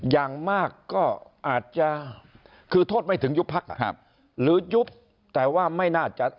อย่างมากก็อาจจะคือโทษไม่ถึงยุบพักหรือยุบแต่ว่าไม่น่าจะ